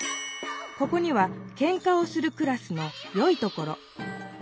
ここには「ケンカをするクラス」のよいところ。